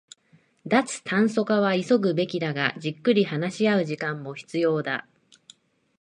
脱炭素化は急ぐべきだが、じっくり話し合う時間も必要だ